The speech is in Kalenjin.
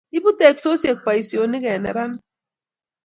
Ibu teksosiek boisionik eng neranik